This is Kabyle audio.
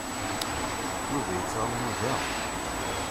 Yuba yettɛummu da.